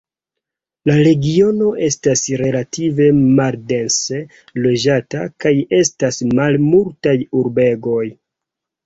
La regiono estas relative maldense loĝata, kaj estas malmultaj urbegoj.